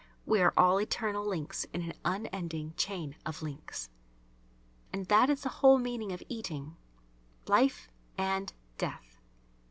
We are all eternal links in an unending chain of links. And that is the whole meaning of eating: life and death.